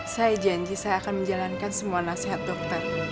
saya janji saya akan menjalankan semua nasihat dokter